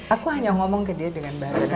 aku hanya ngomong ke dia dengan bahasa indonesia